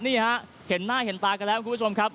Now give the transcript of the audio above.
นี่ฮะเห็นหน้าเห็นตากันแล้วคุณผู้ชมครับ